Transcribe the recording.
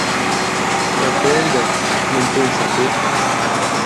D'altronde, non pensa a te?